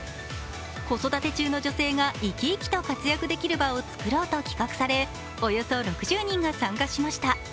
子育て中の女性が生き生きと活躍できる場を作ろうと企画されおよそ６０人が参加しました。